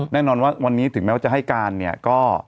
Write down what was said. แน่นอนว่าวันนี้ถึงแม้ว่าจะให้การเนี่ยก็